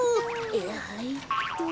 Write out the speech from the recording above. はいっと。